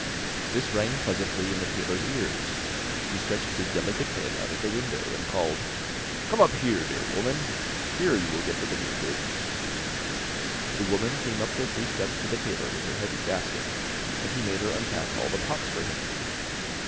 This rang pleasantly in the tailor's ears; he stretched his delicate head out of the window, and called: 'Come up here, dear woman; here you will get rid of your goods.' The woman came up the three steps to the tailor with her heavy basket, and he made her unpack all the pots for him.